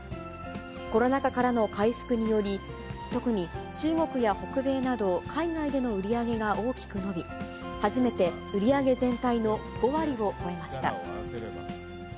コロナ禍からの回復により、特に中国や北米など、海外での売り上げが大きく伸び、初めて売り上げ全体の５割を超えました。